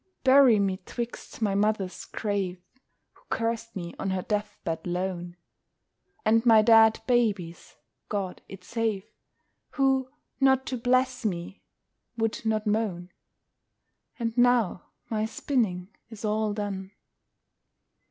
Bury me 'twixt my mother's grave, (Who cursed me on her death bed lone) And my dead baby's (God it save!) Who, not to bless me, would not moan. And now my spinning is all done.